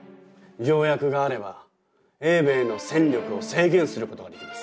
条約があれば英米の戦力を制限することができます。